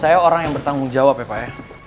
saya orang yang bertanggung jawab ya pak ya